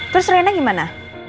terus rena gimana